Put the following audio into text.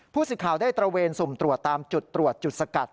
สิทธิ์ข่าวได้ตระเวนสุ่มตรวจตามจุดตรวจจุดสกัด